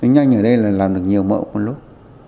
nhanh ở đây là làm được nhiều mẫu một lúc